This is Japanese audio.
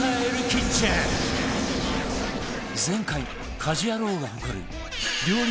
前回『家事ヤロウ！！！』が誇る料理